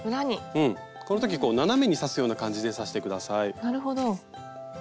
この時斜めに刺すような感じで刺して下さい。